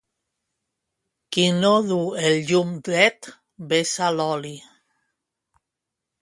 Qui no du el llum dret, vessa l'oli.